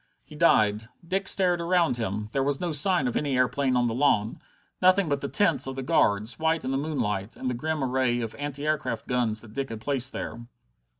He died. Dick stared around him. There was no sign of any airplane on the lawn, nothing but the tents of the guards, white in the moonlight, and the grim array of anti aircraft guns that Dick had placed there.